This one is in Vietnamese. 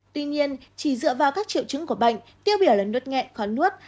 tuy nhiên chỉ dựa vào các triệu chứng của bệnh tiêu biểu là nuốt nhẹ khó nuốt